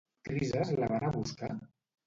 Crises la va anar a buscar?